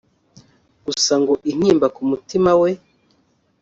gusa ngo intimba ku mutima we